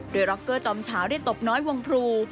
โดยร็อกเกอร์จอมเฉาได้ตบน้อยวงพลู